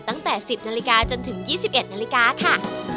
ตั้งแต่๑๐นาฬิกาจนถึง๒๑นาฬิกาค่ะ